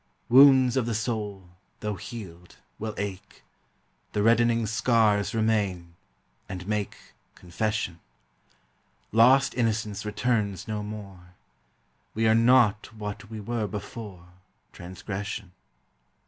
Wounds of the soul, though healed, will ache; The reddening scars remain, and make Confession; Lost innocence returns no more; We are not what we were before Transgression.